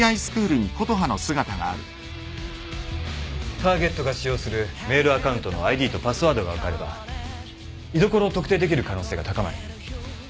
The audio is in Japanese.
ターゲットが使用するメールアカウントのＩＤとパスワードが分かれば居所を特定できる可能性が高まる。